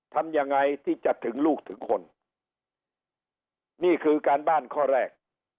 ทำยังไงที่จะถึงลูกถึงคนนี่คือการบ้านข้อแรก